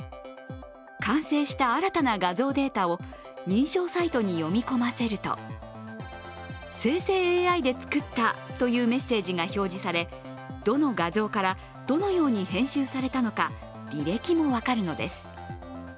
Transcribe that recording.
完成した新たな画像データを認証サイトに読み込ませると、生成ＡＩで作ったというメッセージが表示され、どの画像から、どのように編集されたのか履歴も分かるのです。